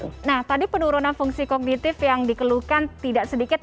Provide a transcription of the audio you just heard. nah tadi penurunan fungsi kognitif yang dikeluhkan tidak sedikit